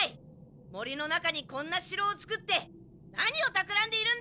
森の中にこんな城をつくって何をたくらんでいるんだ！